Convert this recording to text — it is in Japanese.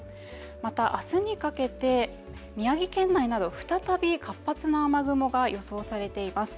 また、明日にかけて宮城県内など、再び活発な雨雲が予想されています。